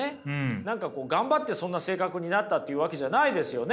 何か頑張ってそんな性格になったっていうわけじゃないですよね。